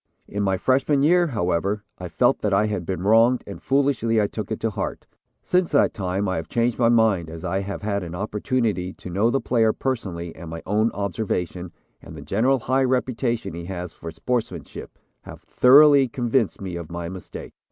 "In my freshman year, however, I felt that I had been wronged, and foolishly I took it to heart. Since that time I have changed my mind as I have had an opportunity to know the player personally and my own observation and the general high reputation he has for sportsmanship have thoroughly convinced me of my mistake.